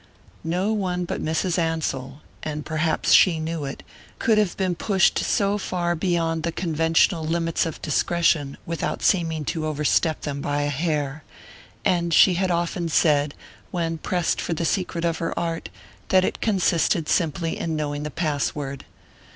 No one but Mrs. Ansell and perhaps she knew it could have pushed so far beyond the conventional limits of discretion without seeming to overstep them by a hair; and she had often said, when pressed for the secret of her art, that it consisted simply in knowing the pass word.